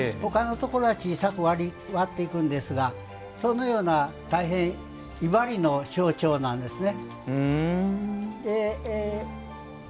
他のところは小さく割っていくんですが大変、威張りの象徴なんですね。